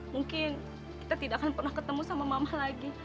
mungkin kita tidak akan pernah ketemu sama mama lagi